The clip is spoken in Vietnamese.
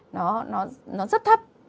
nó rất thấp